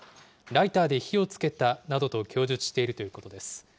ライターで火をつけたなどと供述しているということです。